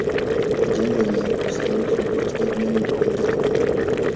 Majengo yenye usanifu wa Kijerumani ni pamoja na boma